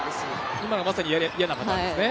今のがまさに嫌なパターンですね。